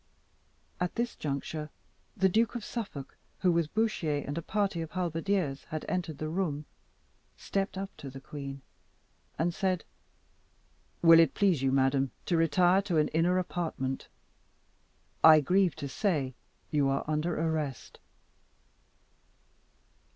At this juncture the Duke of Suffolk, who, with Bouchier and a party of halberdiers, had entered the room, stepped up to the queen, and said "Will it please you, madam, to retire to an inner apartment? I grieve to say you are under arrest."